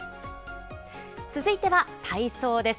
続いては、体操です。